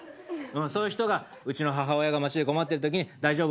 そういう人がうちの母親が街で困ってるときに大丈夫？